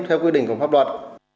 theo quy định của pháp luật